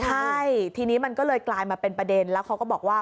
ใช่ทีนี้มันก็เลยกลายมาเป็นประเด็นแล้วเขาก็บอกว่า